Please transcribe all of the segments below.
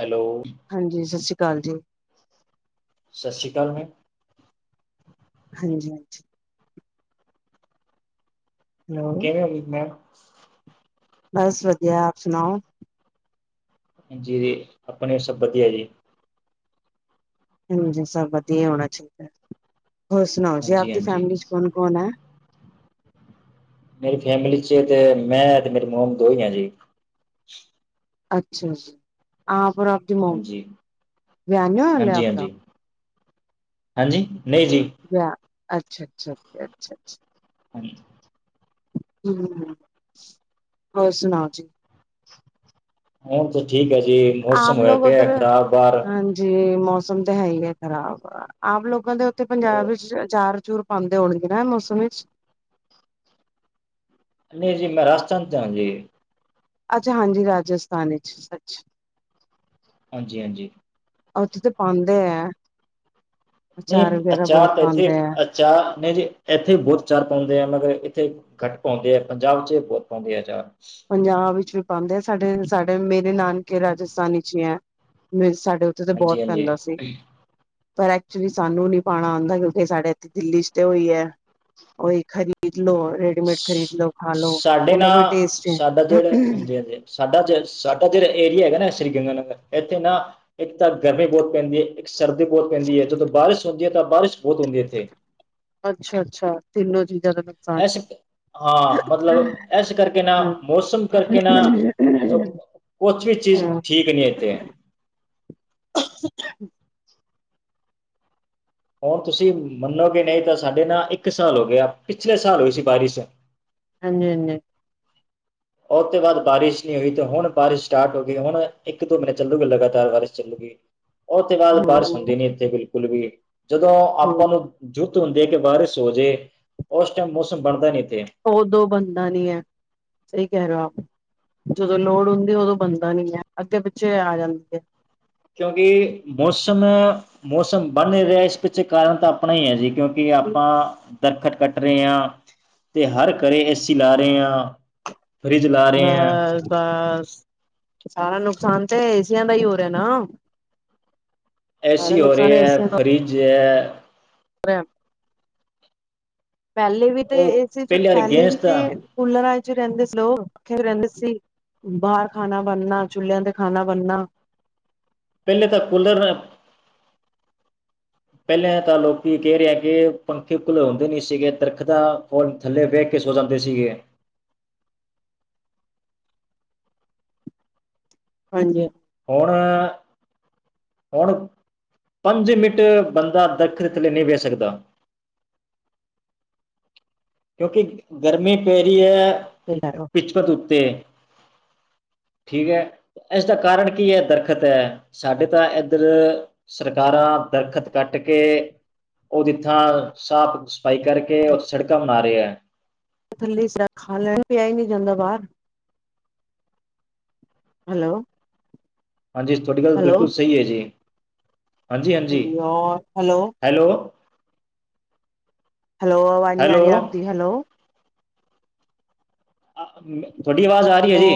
Hello. ਹਾਂਜੀ, ਸ਼ਸੀ ਕਾਲ ਜੀ। ਸ਼ਸ਼ੀ ਕਾਲ ਮੈਮ ਹਾਂਜੀ-ਹਾਂਜੀ। ' [inaudible] ਕਿਵੇਂ ਹੋ ਮੈਮ?' ' [inaudible] ਬੱਸ ਵਧੀਆ ਆਪ ਸੁਣਾਓ। ਜੀ, ਆਪਣੇ ਸਭ ਵਧੀਆ ਜੀ। ਹਾਂਜੀ, ਸਭ ਵਧੀਆ ਹੋਣਾ ਚਾਹੀਦਾ ' [inaudible] ', ਹੋਰ ਸੁਣਾਓ ਜੀ, ਹਾਂਜੀ ਆਪਦੀ ਹਾਂਜੀ ਫੈਮਿਲੀ ਚ ਕੌਣ-ਕੌਣ ਐ। ਮੇਰੀ ਫੈਮਿਲੀ 'ਚ' 'ਤੇ ਮੈਂ ਤੇ ਮੇਰੀ ਮੋਮ ਦੋ ਹੀ ਆ ਜੀ। ਅੱਛਾ-ਅੱਛਾ ਆਪ ਔਰ ਆਪ ਕੀ ਮੌਮ, ਹਾਂਜੀ ' [inaudible] ' ਵਿਆਹ ਨੀ ਹੋਇਆ ਹਲੇ ਹਾਂਜੀ ਆਪਕਾ। ਹਾਂਜੀ ਹਾਂਜੀ ਜੀ, ਨਹੀਂ ਜੀ। ਵਿਆਹ, ਅੱਛਾ-ਅੱਛਾ, ਅੱਛਾ-ਅੱਛਾ। ਹਾਂਜੀ। ਹਮ, ' [inaudible] ' ਹੋਰ ਸੁਣਾਓ ਜੀ। ਹੁਣ ਤਾਂ ਠੀਕ ਆ ਜੀ, ਮੌਸਮ ਹੋਇਆ ਪਿਆ ਖ਼ਰਾਬ ਬਾਹਰ। ਜੀ ਮੌਸਮ ਤੇ ਹੈ ਆ ਖ਼ਰਾਬ, ਆਮ ਲੋਕਾਂ ਦੇ ਉੱਥੇ ਪੰਜਾਬ ਅਹ ਵਿੱਚ ਚਾਰ-ਚੂਰ ਪਾਂਦੇ ਹੋਣਗੇ ਨਾ ਮੌਸਮ ਵਿੱਚ ਨਹੀਂ ਜੀ, ਮੈਂ ਰਾਸਤਾਨ 'ਚ' ਆ ਜੀ। ਅੱਛਾ ਹਾਂਜੀ, ਰਾਜਸਥਾਨ ਵਿੱਚ ਸੱਚ। ਹਾਂਜੀ-ਹਾਂਜੀ। ਉੱਥੇ ਤਾਂ ਪਾਂਦੇ ਆ। ਨਹੀਂ ਅਚਾਰ ਤਾਂ, ਪਾਉਂਦੇ ਇੱਥੇ ਹੈ ਅਚਾਰ ਨਹੀਂ ਜੀ। ਇੱਥੇ ਬਹੁਤ ਚਾਰ ਪਾਉਂਦੇ ਆ ਮਗਰ ਇੱਥੇ ਘੱਟ ਪੌਦੇ ਆ ਪੰਜਾਬ 'ਚ' ਬਹੁਤ ਪਾਉਂਦੇ ਆ ਅਚਾਰ। ਪੰਜਾਬ ਵਿੱਚ ਵੀ ਪਾਉਂਦੇ ਆ, ਸਾਡੇ-ਸਾਡੇ ਮੇਰੇ ਨਾਨਕੇ ਰਾਜਸਥਾਨੀ 'ਚ' ਹੀ ਹੈ ਸਾਡੇ ਤੇ ਤਾਂ ਬਹੁਤ ਹਾਂਜੀ ਹਾਂਜੀ ਪੈਂਦਾ ਸੀ। ਪਰ ਐਕਚੁਲੀ ਸਾਨੂੰ ਨੀ ਪਾਣਾ ਆਂਦਾ, ਕਿਉਂਕਿ ਸਾਡੇ ਇੱਥੇ ਦਿੱਲੀ 'ਚ' ਤੇ ਉਹੀ ਹੈ। ਉਹੀ ਖਰੀਦ ਲੋ, ਰੇਡੀਮੇਡ ਖਰੀਦ ਲੋ ਖਾਲੋ ਸਾਡੇ ਨਾ ਉਹਨਾਂ ਕੋ ਟੇਸਟ ਸਾਡਾ ਜਿਹੜਾ ਨੀ। ਹਾਂਜੀ-ਹਾਂਜੀ ਸਾਡਾ ਜ ਸਾਡਾ ਜਿਹੜਾ ਏਰੀਆ ਹੈਗਾ ਨਾ ਸ੍ਰੀ ਗੰਗਾਨਗਰ ਇੱਥੇ ਨਾ ਇੱਕ ਤਾਂ ਗਰਮੀ ਬਹੁਤ ਪੈਂਦੀ ਐ। ਇੱਕ ਸਰਦੀ ਬਹੁਤ ਪੈਂਦੀ ਐ। ਜਦੋਂ ਬਾਰਿਸ਼ ਹੁੰਦੀ ਐ। ਤਾ ਬਾਰਿਸ਼ ਬਹੁਤ ਹੁੰਦੀ ਹੈ। ਇੱਥੇ ਅੱਛਾ-ਅੱਛਾ ਤਿੰਨੋ ਚੀਜ਼ਾਂ ਦਾ ਨੁਕਸਾਨ ਹੈ। ਅਸਕ। ਹਾਂ, ਮਤਲਬ ਇਸ ਕਰਕੇ ਨਾ, ਹਮ ਮੌਸਮ ਕਰਕੇ ਨਾ, ਅ ਹਾਂਜੀ ਕੁਛ ਵੀ ਚੀਜ਼ ਠੀਕ ਨਹੀਂ ਇੱਥੇ। ' [unintelligible] ਹੁਣ ਤੁਸੀਂ ਮੰਨੋਗੇ ਨਹੀਂ ਤਾਂ, ਸਾਡੇ ਨਾ ਇੱਕ ਸਾਲ ਹੋ ਗਿਆ। ਪਿਛਲੇ ਸਾਲ ਹੋਈ ਸੀ ਬਾਰਿਸ਼ ਹਾਂਜੀ-ਹਾਂਜੀ। ਉਹ ਤੋਂ ਬਾਅਦ ਬਾਰਿਸ਼ ਨਹੀਂ ਹੋਈ। ਤੇ ਹੁਣ ਬਾਰਿਸ਼ ਸਟਾਰਟ ਹੋ ਗਈ, ਹੁਣ ਇੱਕ, ਦੋ ਮਹੀਨੇ ਚੱਲੂਗਾ ਲਗਾਤਾਰ ਬਾਰਿਸ਼ ਚੱਲੂਗੀ। ਉਹ ਤੇ ਹਮ ਬਾਅਦ ਬਾਰਿਸ਼ ਹਮ ਹੁੰਦੀ ਨੀ ਇੱਥੇ ਬਿਲਕੁਲ ਵੀ ' [inaudible] ' ਜਦੋਂ ਆਪਾਂ ਨੂੰ ਜੋ ਤੁਹਾਨੂੰ ਦੇਖ ਬਾਰਿਸ਼ ਹੋ ਜੇ ਉਸ ਟਾਈਮ ਮੌਸਮ ਬਣਦਾ ਨੀ ਇੱਥੇ ਉਦੋ ਬੰਦਾ ਨੀ ਐ। ਸਹੀ ਕਹਿ ਰਹੇ ਹੋ ਆਪ, ਜਦੋਂ ਲੋੜ ਹੁੰਦੀ। ਉਦੋਂ ਬਣਦਾ ਨੀ ਐ, ਅੱਗੇ ਪਿੱਛੇ ਆ ਜਾਂਦੀ ਹੈ। ਕਿਉਂਕਿ ਮੌਸਮ-ਮੌਸਮ ਬਣ ਨੀ ਰਿਹਾ। ਇਸ ਪਿੱਛੇ ਕਾਰਨ ਤਾਂ ਆਪਣਾ ਹੀ ਹੈ ਜੀ, ਕਿਉਂਕਿ ਕਿ ਆਪਾਂ ਦਰਖਤ ਕੱਟ ਰਹੇ ਆ ਤੇ ਹਰ ਘਰੇ ਏਸੀ ਲਾ ਰਹੇ ਆ। ਬੱਸ-ਬੱਸ ' [inaudible] ' ਸਾਰਾ ਨੁਕਸਾਨ ਤਾਂ ਏਸੀਆਂ ਦਾ ਹੀ ਹੋ ਰਿਹਾ ਨਾ। ਏ ਸਾਰਾ ਸੀ ਹੋ ਨੁਕਸਾਨ ਰਹੇ ਐ, ਏਸੀਆਂ ਦਾ ਫਰਿੱਜ ਐ। ਪਹਿਲੇ ਵੀ ਤੇ ਉਹ ਇਸ ਚ ਪਹਿਲੇ ਵੀ ਅਗੇਂਸਟ ਤੇ ਕੂਲਰਾਂ 'ਚ ਰਹਿੰਦੇ ਸੀ। ਲੋਕ ਪੱਖਿਆ 'ਚ ਰਹਿੰਦੇ ਸੀ। ਬਾਹਰ ਖਾਣਾ ਬਣਨਾ, ਚੁਲ੍ਹਿਆਂ ਤੇ ਖਾਣਾ ਬਣਨਾ। ਪਹਿਲੇ ਤਾਂ ਕੂਲਰ ਪਹਿਲਾਂ ਤਾਂ ਲੋਕੀ ਕਹਿ ਰਹੇ ਕਿ ਪੱਖੇ ਘੁਲਾਉਦੇ ਨਹੀਂ ਸੀਗੇ। ਦਰਖਤਾਂ ਥੱਲੇ ਬਹਿ ਕੇ ਸੋ ਜਾਂਦੇ ਸੀਗੇ। ਹਾਂਜੀ। ਹੋਣ ਹੁਣ ਪੰਜ ਮਿੰਟ ਬੰਦਾ ਦਰਖਤ ਥੱਲੇ ਨਹੀਂ ਵੇ ਸਕਦਾ। ਕਿਉਂਕਿ ਗਰਮੀ ਪੈ ਰਹੀ ਏ। [unintelligible] ਬਚਪਤ ਉੱਤੇ ਠੀਕ ਏ। ਇਸਦਾ ਕਾਰਨ ਕੀ ਹੈ? ਦਰਖਤ ਏ ਸਾਡੇ ਤਾਂ ਇੱਧਰ ਸਰਕਾਰਾਂ ਦਰਖਤ ਕੱਟ ਕੇ ਉਹਦੀ ਥਾਂ ਸਾਫ਼-ਸਫ਼ਾਈ ਕਰਕੇ ਉਥੇ ਸੜਕਾਂ ਬਨਾ ਰਹੇ ਆ। ਥੱਲੇ ਚ ਖਾ ਲੈਣਾ ਪਿਆ ਹੀ ਨਹੀ ਜਾਂਦਾ ਬਾਹਰ। ਹੈਲੋ। ਹਾਂਜੀ, ਤੁਹਾਡੀ ਗੱਲ ਹੈਲੋ ਬਿਲਕੁਲ ਸਹੀ ਏ ਜੀ। ਹਾਂਜੀ-ਹਾਂਜੀ। ਹੈਲੋ ਹੈਲੋ, ਆਵਾਜ਼ ਨਹੀਂ ਆ ਰਹੀ ਆਪਦੀ ਹੈਲੋ। ਆ ਥੋਡੀ ਆਵਾਜ਼ ਆ ਰਹੀ ਹੈਲੋ ਜੀ।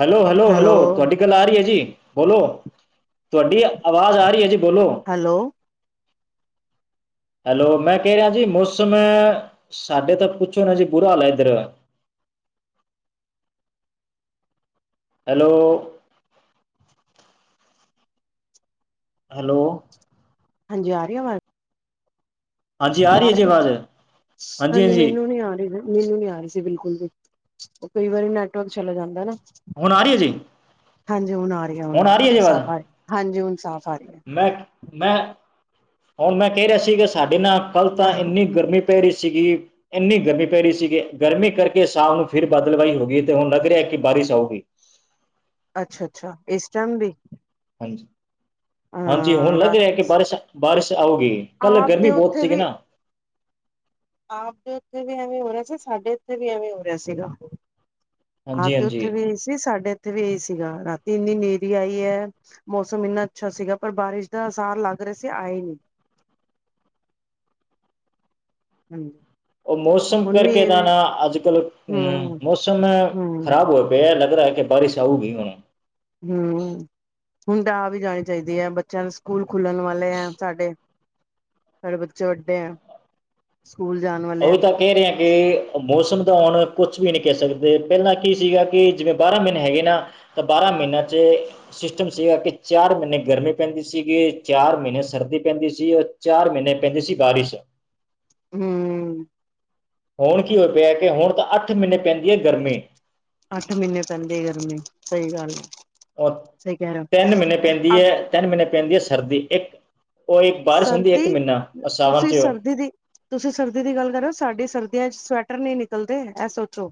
ਹੈਲੋ-ਹੈਲੋ-ਹੈਲੋ। ਹੈਲੋ ਤੁਹਾਡੀ ਗੱਲ ਆ ਰਹੀ ਏ ਜੀ ਬੋਲੋ, ਤੁਹਾਡੀ ਆਵਾਜ਼ ਆ ਰਹੀ ਏ ਜੀ ਬੋਲੋ। ਹੈਲੋ। ਹੈਲੋ ਮੈ ਕਹਿ ਰਿਹਾ ਜੀ। ਮੌਸਮ ਸਾਡੇ ਤਾਂ ਪੁੱਛੋ ਨਾ ਜੀ ਬੁਰਾ ਹਾਲ ਏ ਇੱਧਰ। ਹੈਲੋ। ਹੈਲੋ। ਹਾਂਜੀ ਆ ਰਹੀ ਵਾਜ਼। ਹਾਂਜੀ ਆ ਰਹੀ ਹੈ ਜੀ ਆਵਾਜ਼ ਹਾਂਜੀ ਮੈਨੂੰ ਨੀ ਆ ਰਹੀ। ਮੈਨੂੰ ਨੀ ਆ ਰਹੀ ਸੀ ਬਿਲਕੁਲ ਵੀ। ਉਹ ਕਈ ਵਾਰੀ ਨੈਟਵਰਕ ਚਲਾ ਜਾਂਦਾ ਨਾ। ਹੁਣ ਆ ਰਹੀ ਹੈ ਜੀ ਹਾਂਜੀ, ਹੁਣ ਆ ਰਹੀ ਹੁਣ ਆ ਰਹੀਆਂ ਸਾਫ਼ ਆ ਰਹੀ ਹਾਂਜੀ ਹੁਣ ਸਾਫ਼ ਆ ਰਹੀ ਆ। ਮੈਂ ਮੈਂ ਹੁਣ ਮੈਂ ਕਹਿ ਰਿਹਾ ਸੀ ਕਿ ਸਾਡੇ ਨਾਲ ਕੱਲ੍ਹ ਤਾਂ ਆਹੋ ਇੰਨੀ ਗਰਮੀ ਪੈ ਰਹੀ ਸੀਗੀ। ਇੰਨੀ ਗਰਮੀ ਪੈ ਰਹੀ ਸੀਗੀ। ਗਰਮੀ ਕਰਕੇ ਸ਼ਾਮ ਨੂੰ ਫਿਰ ਬਾਦਲਵਾਈ ਹੋ ਗਈ ਤੇ ਹੁਣ ਲੱਗ ਰਿਹਾ ਕਿ ਬਾਰਿਸ਼ ਆਊਗੀ। ਅੱਛਾ-ਅੱਛਾ। ਇਸ ਟਾਈਮ ਲਈ। ਹਾਂਜੀ- ਹਾਂਜੀ। ਹੁਣ ਦੇਖ ਰਾਤ ਰਿਹਾ ਕਿ ਬਾਰਿਸ਼ ਬਾਰਿਸ਼ ਆਉਗੀ। ਕੱਲ ਆਪ ਦੇ ਗਰਮੀ ਬਹੁਤ ਉੱਥੇ ਸੀਗੀ ਵੀ ਨਾ। ਆਪ ਦੇ ਉੱਥੇ ਵੀ ਐਵੇਂ ਹੋ ਰਿਹਾ ਸੀ। ਸਾਡੇ ਉੱਥੇ ਵੀ ਐਵੇਂ ਹੋ ਰਿਹਾ ਸੀਗਾ। ਆਪਦੇ ਉੱਥੇ ਹਾਂਜੀ-ਹਾਂਜੀ ਵੀ ਇਹੀ ਸੀ ਸਾਡੇ ਉੱਥੇ ਵੀ ਇਹੀ ਸੀਗਾ ਰਾਤੀ ਇੰਨੀ ਨ੍ਹੇਰੀ ਆਈ ਏ। ਮੌਸਮ ਇੰਨਾ ਅੱਛਾ ਸੀਗਾ। ਪਰ ਬਾਰਿਸ਼ ਦਾ ਅਸਾਰ ਲੱਗ ਰਿਹਾ ਸੀ ਆਈ ਨੀ। ਹਮ। ਉਹ ਮੌਸਮ ਕਰਕੇ ਤਾਂ ਨਾ ਅੱਜ-ਕੱਲ੍ਹ ਅਮ ਹਮ ਮੌਸਮ ਹਮ ਖਰਾਬ ਹੋਏ ਪਏ ਲੱਗ ਰਿਹਾ ਕਿ ਬਾਰਾਸ਼ ਆਊਗੀ ਹੁਣ। ਹੂ ਹੁਣ ਤਾਂ ਆਹ ਵੀ ਜਾਣੀ ਚਾਹੀਦੀ ਏ। ਬੱਚਿਆਂ ਦੇ ਸਕੂਲ ਖੁੱਲਣ ਵਾਲੇ ਏ ਸਾਡੇ। ਸਾਡੇ ਬੱਚੇ ਵੱਡੇ ਏ ਸਕੂਲ ਜਾਣ ਵਾਲੇ। ਉਹੀ ਤਾਂ ਕਹਿ ਰਹੇ ਆ ਕਿ ਮੌਸਮ ਦਾ ਹੁਣ ਕੁਛ ਵੀ ਨਹੀਂ ਕਹਿ ਸਕਦੇ ਪਹਿਲਾਂ ਕੀ ਸੀਗਾ ਕਿ ਜਿਵੇਂ ਬਾਰਾਂ ਮਹੀਨੇ ਹੈਗੇ ਨਾ। ਤਾਂ ਬਾਰਾਂ ਮਹੀਨਿਆਂ ਚ ਸਿਸਟਮ ਸੀਗਾ ਕਿ ਚਾਰ ਮਹੀਨੇ ਗਰਮੀ ਪੈਂਦੀ ਸੀਗੀ ਚਾਰ ਸਰਦੀ ਪੈਂਦੀ ਸੀ। ਚਾਰ ਮਹੀਨੇ ਪੈਂਦੇ ਸੀ ਬਾਰਿਸ਼। ਹੂ ਹੁਣ ਕੀ ਹੋ ਪਿਆ ਕਿ ਹੁਣ ਤਾਂ ਅੱਠ ਮਹੀਨੇ ਪੈਂਦੀ ਐ ਗਰਮੀ। ਅੱਠ ਮਹੀਨੇ ਪੈਂਦੀ ਏ ਗਰਮੀ ਸਹੀ ਗੱਲ ਐ। ਉਹ ਤਿੰਨ ਮਹੀਨੇ ਪੈਂਦੀ ਅ ਐ, ਤਿੰਨ ਮਹੀਨੇ ਪੈਂਦੀ ਐ ਸਰਦੀ ਇੱਕ ਉਹ ਇੱਕ ਬਾਰਿਸ਼ ਹੁੰਦੀ ਇੱਕ ਸਰਦੀ ਮਹੀਨਾ ਆਹ ਸਾਵਨ ਤੁਸੀਂ ਚ ਸਰਦੀ ਦੀ ਤੁਸੀਂ ਸਰਦੀ ਦੀ ਗੱਲ ਕਰ ਰਏ ਓ ਸਾਡੇ ਸਰਦੀਆਂ 'ਚ ਸਵੈਟਰ ਨਹੀਂ ਨਿਕਲਦੇ ਇਹ ਸੋਚੋ।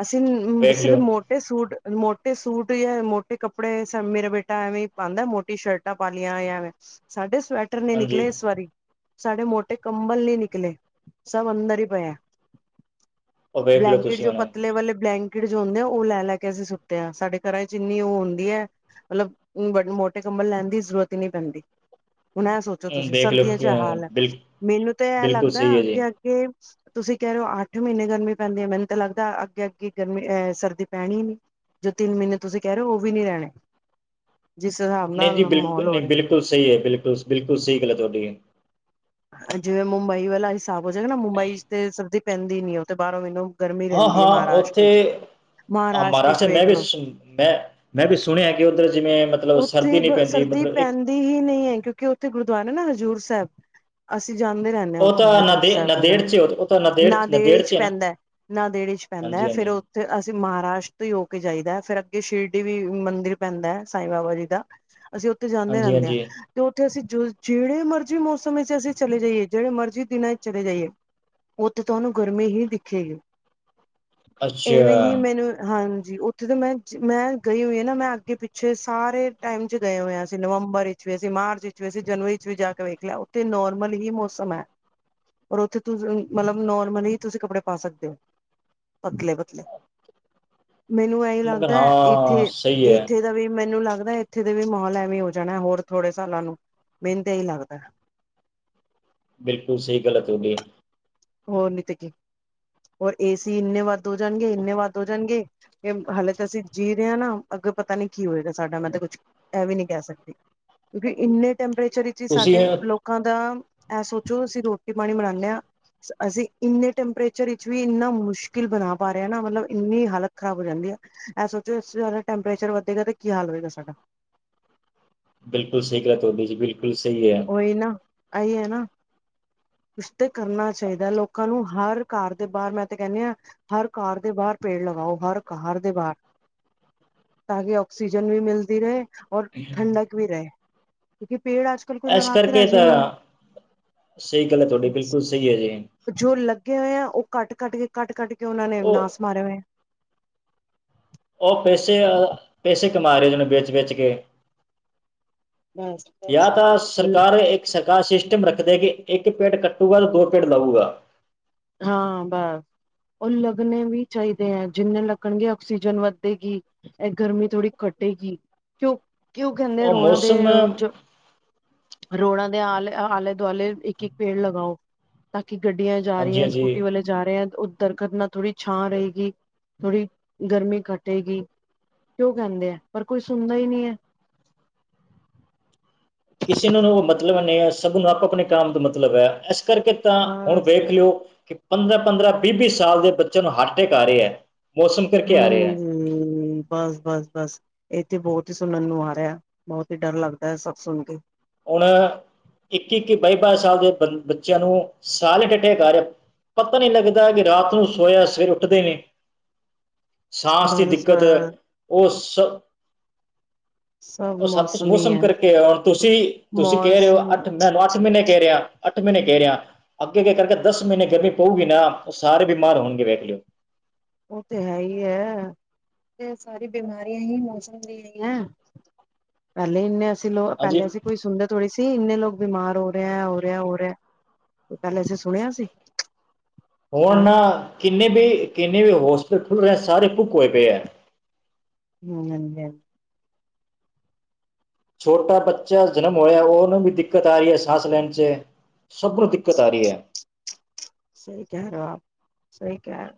ਅਸੀਂ ਵੇਖ ਲਿਓ ਸਿਰਫ ਮੋ ਮੋਟੇ ਸੂਟ ਮੋਟੇ ਸੂਟ ਜਾਂ ਮੋਟੇ ਕੱਪੜੇ ਸ ਮੇਰਾ ਬੇਟਾ ਐਵੇਂ ਪਾਂਦਾ ਮੋਟੀ ਸ਼ਰਟ। ਸਰਟਾ ਪਾ ਲਈਆਂ ਜਾ ਐਂਵੇ ਸਾਡੇ ਸਵੈਟਰ ਨੀ ਹਾਂਜੀ ਨਿਕਲੇ ਇਸ ਵਾਰੀ। ਸਾਡੇ ਮੋਟੇ ਕੰਬਲ ਨੀ ਨਿਕਲੇ ਸਭ ਅੰਦਰ ਈ ਪਏ ਆ। ਉਹ ਵੇਖ ਲਿਓ ਬਲੈਂਕੀਟ ਤੁਸੀਂ ਜੋ ਉਹਨੂੰ ਪਤਲੇ ਵਾਲੇ ਬਲੈਂਕ ਬਲੈਂਕੀਟ ਜੋ ਹੁੰਦੇ ਆ ਉਹ ਲੈ ਲੈ ਕੇ ਅਸੀਂ ਸੁੱਤੇ ਹਾਂ ਸਾਡੇ ਘਰਾਂ 'ਚ ਇੰਨੀ ਉਹ ਹੁੰਦੀ ਐ। ਮਤਲਬ ਉਂ ਮੋਟੇ ਕੰਬਲ ਲੈਣ ਦੀ ਜ਼ਰੂਰਤ ਈ ਨੀਂ ਪੈਂਦੀ। ਹੁਣ ਇਹ ਸੋਚੋ ਹੂੰ, ਤੁਸੀਂ ਦੇਖ ਲਓ ਸਰਦੀਆਂ 'ਚ ਕਿ, ਆ ਅਹ, ਹਾਲ ਬਿਲ ਮੈਨੂੰ ਤੇ ਇਹ ਬਿਲਕੁਲ ਲੱਗਦਾ ਸਹੀ ਹੈ ਜੀ ਅੱਗੇ- ਅੱਗੇ ਤੁਸੀਂ ਕਹਿਨੇ ਉਂ ਅੱਠ ਮਹੀਨੇ ਗਰਮੀ ਪੈਂਦੀ ਆ ਮੈਨੂੰ ਤਾਂ ਲੱਗਦਾ ਅੱਗੇ - ਅੱਗੇ ਗਰਮੀ ਅਹ ਸਰਦੀ ਪੈਣੀ ਨੀ। ਜੋ ਤਿੰਨ ਮਹੀਨੇ ਤੁਸੀਂ ਕਹਿ ਰਹੇ ਹੋ ਉਹ ਵੀ ਨੀ ਰਹਿਣੇ। [inaudible] ਜਿਸ ਹਿਸਾਬ ਨਹੀਂ ਜੀ, ਨਾਲ ਮਾਹੌਲ ਬਿਲਕੁਲ ਹੋ ਨਹੀਂ ਰਿਹਾ ਬਿਲਕੁਲ ਸਹੀ ਹੈ ਬਿਲਕੁਲ ਬਿਲਕੁਲ ਸਹੀ ਗੱਲ ਐ ਤੁਹਾਡੀ। ਜਿਵੇਂ ਮੁੰਬਈ ਵਾਲਾ ਹਿਸਾਬ ਹੋ ਜਾਏਗਾ ਨਾ ਮੁੰਬਈ 'ਚ ਤੇ ਸਰਦੀ ਪੈਂਦੀ ਨੀ ਉਹ ਤੇ ਬਾਹਰੋਂ ਮੈਨੂੰ ਗਰਮੀ ਹਾਂ - ਰਹਿੰਦੀ ਹੈ ਹਾਂ ਉੱਥੇ ਮਹਾਰਾਸ਼ਟਰ ਚ ਚ ਮਹਾਰਾਸ਼ਟਰ ਮੈਂ ਵੇਖ ਵੀ ਲੋ ਮੈਂ -ਮੈਂ ਵੀ ਸੁਣਿਆ ਕਿ ਉੱਧਰ ਜਿਵੇਂ ਮਤਲਬ ਸ ਉੱਥੇ ਸਰਦੀ ਨੀ ਪੈਂਦੀ ਸਰਦੀ ਮਤਲਬ ਕਿ। ਪੈਂਦੀ ਹੀ ਨੀਂ ਐ ਕਿਉਂਕਿ ਉੱਥੇ ਗੁਰਦੁਆਰਾ ਨਾ ਹਜ਼ੂਰ ਸੈਬ। ਅਸੀਂ ਜਾਦੇ ਰਹਿੰਨੇ ਜਾਨੇ ਰਹਿੰਦੇ ਉਹ ਉੱਥੇ ਤਾਂ ਹਜ਼ੂਰ ਨਦੇ ਸਾਹਿਬ ਨਦੇੜ ਗੁਰਦੁਵਾਰਾ ਚ ਉਹ ਤਾਂ ਨਦੇੜ ਨਦੇੜ ਨਾਂਦੇੜ 'ਚ ਹੈ ਨਾ ਪੈਂਦਾ ਨਾਂਦੇੜ 'ਚ ਪੈਂਦਾ ਹਾਂਜੀ ਫੇਰ ਹਾਂਜੀ ਉੱਥੇ ਫਿਰ ਅਸੀਂ ਮਹਾਰਾਸ਼ਟਰ ਹੀ ਹੋ ਕੇ ਜਾਈਦਾ ਫਿਰ ਅੱਗੇ ਸ੍ਰੀਰੜੀ ਵੀ ਮੰਦਿਰ ਪੈਂਦਾ ਐ ਸਾਈ ਬਾਬਾ ਜੀ ਦਾ। ਅਸੀਂ ਉੱਥੇ ਜਾਂਦੇ ਹਾਂਜੀ ਰਹਿੰਦੇ ਆ ਹਾਂਜੀ ਤੇ ਉੱਥੇ ਅਸੀਂ ਜਿਹੜੇ ਮਰਜ਼ੀ ਮੌਸਮ ਵਿੱਚ ਅਸੀਂ ਚਲੇ ਜਾਈਏ ਜਿਹੜੇ ਮਰਜ਼ੀ ਦਿਨਾਂ 'ਚ ਚਲੇ ਜਾਈਏ। ਉੱਥੇ ਤੁਹਾਨੂੰ ਗਰਮੀ ਹੀ ਦਿਖੇਗੀ ਇਵੇਂ ਹੀ ਅੱਛਾ ਮੈਨੂੰ ਹਾਂਜੀ ਉੱਥੇ ਜਦੋਂ ਮੈਂ- ਮੈਂ ਗਈ ਹੋਈ ਆ ਨਾ ਮੈਂ ਅੱਗੇ ਪਿੱਛੇ ਸਾਰੇ ਟਾਈਮ 'ਚ ਗਏ ਹੋਏ ਅਸੀਂ ਨਵੰਬਰ ਵਿੱਚ ਵੀ ਅਸੀਂ ਮਾਰਚ 'ਚ ਵੇਸੈ ਜਨਵਰੀ 'ਚ ਵੀ ਜਾ ਕੇ ਵੇਖ ਲਿਆ ਉੱਥੇ ਨੋਰ ਵੰਨਗੀ ਮੌਸਮ ਐ ਪਰ ਉੱਥੇ ਤੁਸੀਂ ਮਤਲਬ ਨੋਰਮਲ ਹੀ ਤੁਸੀਂ ਕੱਪੜੇ ਪਾ ਸਕਦੇ ਹੋ। ਪਤਲੇ - ਪਤਲੇ ਮੈਨੂੰ ਐ ਮਗਰ ਲੱਗਦਾ ਹਾਂ ਇੱਥੇ- ਸਹੀ ਹੈ ਇੱਥੇ ਦਾ ਵੀ ਮੈਨੂੰ ਲੱਗਦਾ ਇੱਥੇ ਦੇ ਵੀ ਮਾਹੌਲ ਐਵੇਂ ਹੋ ਜਾਣਾ ਹੋਰ ਥੋੜੇ ਸਾਲਾਂ ਨੂੰ ਮੈਨੂੰ ਤਾਂ ਇਹੀ ਲੱਗਦਾ। ਬਿਲਕੁਲ ਸਹੀ ਗੱਲ ਆ ਥੋਡੀ। ਹੋਰ ਨੀ ਤੇ ਕੀ ਹੋਰ ਏ ਸੀ ਇੰਨੇ ਵੱਧ ਹੋ ਜਾਣਗੇ ਇੰਨੇ ਵੱਧ ਹੋ ਜਾਣਗੇ ਏ ਹਾਲੇ ਤਾਂ ਅਸੀਂ ਜੀਅ ਰਹੇ ਆ ਨਾ ਅੱਗੇ ਪਤਾ ਨੀ ਕੀ ਹੋਏਗਾ ਸਾਡਾ ਮੈਂ ਤੇ ਕੁਛ ਐ ਵੀ ਨਹੀ ਕਹਿ ਸਕਦੀ। ਕਿਉਂਕਿ ਇੰਨੇ ਟੈਂਪਰੇਚਰ ਵਿੱਚ ਹੀ ਤੁਸੀਂ ਸਾਡੇ ਲੋਕ ਲੋਕਾਂ ਦਾ ਇਹ ਸੋਚੋ ਅਸੀਂ ਰੋਟੀ ਪਾਣੀ ਬਨਾਂਨੇ ਆ। ਅਸੀਂ ਇੰਨੇ ਟੈਂਪਰੇਚਰ ਵਿੱਚ ਵੀ ਇੰਨਾ ਮੁਸ਼ਕਿਲ ਬਣਾ ਪਾ ਰਹੇ ਹਾਂ ਨਾ ਮਤਲਬ ਇੰਨੀ ਹਾਲਤ ਖ਼ਰਾਬ ਹੋ ਜਾਂਦੀ ਆ। ਇਹ ਸੋਚੋ ਸਾਰਾ ਟੈਂਪਰੇਚਰ ਵਧੇਗਾ ਤੇ ਕੀ ਹਾਲ ਹੋਏਗਾ ਸਾਡਾ। ਬਿਲਕੁਲ ਸਹੀ ਗੱਲ ਆ ਥੋਠੀ ਜੀ ਬਿਲਕੁਲ ਸਹੀ ਕਿਏ। ਇਹ ਨਾ ਆਹੀ ਐ ਨਾ। ਕੁਸ ਤਾ ਕਰਨਾ ਚਾਹੀਦਾ ਲੋਕਾਂ ਨੂੰ ਹਰ ਘਰ ਦੇ ਬਾਹਰ ਮੈਂ ਤੇ ਕਹਿੰਨੀ ਆ ਹਰ ਘਰ ਦੇ ਬਾਹਰ ਪੇੜ ਲਗਾਓ ਹਰ ਘਰ ਦੇ ਬਾਹਰ। ਤਾਂ ਕਿ ਉਕਸੀਜਨ ਵੀ ਮਿਲਦੀ ਰਹੇ ਔਰ ਠੰਠਕ ਵੀ ਰਹੇ ਕਿਉਂਕਿ ਪੇੜ ਅੱਜ ਕੱਲ ਕੋਈ ਏਸ ਲਗਾ ਕੇ ਕਰਕੇ ਰਾਜੀ ਤਾਂ ਨਹੀਂ ਸਹੀ ਗੱਲ ਹੈ ਤੁਹਾਡੀ ਬਿਲਕੁਲ ਸਹੀ ਆ ਜੀ। ਜੋ ਲੱਗੇ ਹੋਏ ਆ ਉਹ ਕੱਟ- ਕੱਟ ਕੇ ਕੱਟ - ਕੱਟ ਕੇ ਉਹਨਾਂ ਨੇ ਉਹ ਨਾਸ ਮਾਰਿਆ ਹੋਇਆ। ਉਹ ਪੈਸੇ ਆ ਪੈਸੇ ਕਮਾ ਰਹੇ ਉਹਨੇ ਵੇਚ- ਵੇਚ ਕੇ। ਬਸ ਯਾ ਬਸ। ਤਾਂ ਸਰਕਾਰੇ ਏ ਸਰਕਾਰ ਸਿਸਟਮ ਰੱਖਦੇ ਕਿ ਇੱਕ ਪੇੜ ਕੱਟੂਗਾ ਤੇ ਦੋ ਪੇੜ ਲਊਗਾ। ਹਾਂ ਬਸ। ਉਹ ਲੱਗਣੇ ਵੀ ਚਾਹੀਦੇ ਐ ਜਿੰਨੇ ਲੱਗਣਗੇ ਆਕਸੀਜਨ ਵੱਧੇਗੀ। ਇਹ ਗਰਮੀ ਥੋੜ੍ਹੀ ਘਟੇਗੀ ਕਿਉ- ਕਿਉ ਕਹਿੰਦੇ ਉਹ ਰੋਡਾ ਦੇ ਮੌਸਮ ਰੋੜਾਂ ਦੇ ਆਲੇ ਆਲੇ - ਦੁਆਲੇ ਇੱਕ - ਇੱਕ ਪੇੜ ਲਗਾਓ। ਤਾਂ ਕਿ ਗੱਡੀਆਂ ਜਾ ਹਾਂਜੀ ਰਹੀਆਂ ਸਕੂਟੀ ਹਾਂਜੀ ਵਾਲੇ ਜਾ ਰਹੇ ਆ ਉਹ ਦਰਖਤ ਨਾਲ ਥੋੜ੍ਹੀ ਛਾਂ ਰਹੇਗੀ। ਥੋੜੀ ਗਰਮੀ ਘਟੇਗੀ ਕਿਉਂ ਕਹਿੰਦੇ ਆ ਪਰ ਕੋਈ ਸੁਣਦਾ ਹੀ ਨਹੀ ਐ। ਕਿਸੇ ਨੂੰ ਮਤਲਬ ਨਹੀਂ ਐ ਸਭ ਨੂੰ ਆਪੋ - ਆਪਣੇ ਕੰਮ ਦਾ ਮਤਲਬ ਐ ਇਸ ਕਰਕੇ ਤਾਂ ਹੁਣ ਬਸ ਵੇਖ ਲਿਓ ਕਿ ਪੰਦਰਾਂ- ਪੰਦਰਾਂ, ਵੀਹ- ਵੀਹ ਸਾਲ ਦੇ ਬੱਚਿਆਂ ਨੂੰ ਹਾਰਟਟੈਕ ਆ ਰਹੇ ਆ। ਮੌਸਮ ਕਰਕੇ ਰਹੇ ਹੈ ਹਾਂਜੀ ਬਸ, ਬਸ, ਬਸ। ਇਹ ਤਾਂ ਬਹੁਤ ਹੀ ਸੁਣਨ ਨੂੰ ਆ ਰਿਹਾ ਬਹੁਤ ਹੀ ਡਰ ਲੱਗਦਾ ਐ ਸਭ ਸੁਣ ਕੇ ਹੁਣ ਇੱਕੀ - ਇੱਕੀ, ਬਾਈ -ਬਾਈ ਸਾਲ ਦੇ ਬੰਦ ਬੱਚਿਆਂ ਨੂੰ ਸਾਇਲੈਟ ਅਟੈਕ ਆ ਰਿਹਾ ਪਤਾ ਨਹੀ ਲੱਗਦਾ ਕਿ ਰਾਤ ਨੂੰ ਸੋਇਆ ਸਵੇਰੇ ਉੱਠਦੇ ਨੇ ਸਾਸ ਦੀ ਬਸ ਬ ਦਿੱਕਤ ਉਹ ਸ ਉਹ ਸਭ ਕੁਛ ਮੌਸਮੀ ਮੌਸਮ ਹੈ, ਕਰਕੇ ਹੁਣ ਤੁਸੀਂ -ਤੁਸੀਂ ਕਹਿ ਰਹੇ ਹੋ ਮੌਸਮ ਅੱਠ ਮ ਮੈਨੂੰ ਅੱਠ ਮਹੀਨੇ ਕਹਿ ਰਿਹਾ ਅੱਠ ਮਹੀਨੇ ਕਹਿ ਰਿਹਾ। ਅੱਗੇ- ਅੱਗੇ ਕਰਕੇ ਦਸ ਮਹੀਨੇ ਗਰਮੀ ਪਊਗੀ ਨਾ ਉਹ ਸਾਰੇ ਬਿਮਾਰ ਹੋਣਗੇ ਵੇਖ ਲਿਓ। ਉਹ ਤੇ ਹੈ ਹੀ ਐ ਤੇ ਸਾਰੀ ਬਿਮਾਰੀਆਂ ਹੀ ਮੌਸਮ ਦੀ ਹੈਗੀਆ ਹੈ। ਪਹਿਲੇ ਇੰਨੇ ਅਸੀਂ ਲੋ ਹਾਂਜੀ ਪਹਿਲੇ ਕੋਈ ਸੁੁਣਦੇ ਥੋੜੀ ਸੀ ਇੰਨੇ ਲੋਕ ਬਿਮਾਰ ਹੋ ਰਿਹੇ, ਹੋ ਰਿਹੇ, ਹੋ ਰਿਹੇ ਪਹਿਲਾਂ ਅਸੀਂ ਸੁਣਿਆ ਸੀ। ਹੁਣ ਨਹੀਂ, ਨਾ ਕਿੰਨੇ ਵੀ ਕਿੰਨੇ ਵੀ ਹੋਸਪਿਟਲ ਖੁੱਲ ਰਹੇ ਸਾਰੇ ਬੁੱਕ ਹੋਏ ਪਏ ਆ। [unintelligible] ਛੋਟਾ ਬੱਚਾ ਜਨਮ ਹੋਇਆ, ਉਹਨੂੰ ਵੀ ਦਿੱਕਤ ਆ ਰਹੀ ਐ ਸਾਸ ਲੈਣ 'ਚ ਸਬ ਨੂੰ ਦਿੱਕਤ ਆ ਰਹੀ ਐ। ਸਹੀ ਕਹਿ ਰਹੇ ਹੋ ਆਪ ਸਹੀ ਕਹਿ